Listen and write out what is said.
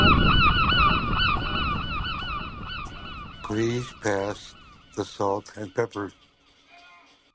Please pass the salt and pepper.